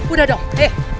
udah dong eh